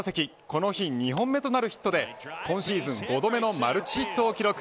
この日２本目となるヒットで今シーズン５度目のマルチヒットを記録。